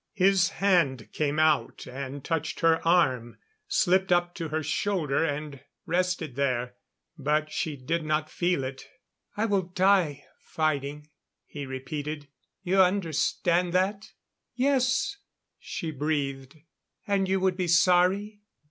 His hand came out and touched her arm, slipped up to her shoulder and rested there, but she did not feel it. "I will die fighting," he repeated. "You understand that?" "Yes," she breathed. "And you would be sorry?"